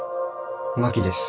真木です。